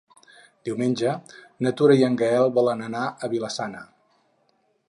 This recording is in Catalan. Diumenge na Tura i en Gaël volen anar a Vila-sana.